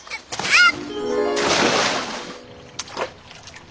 あっ。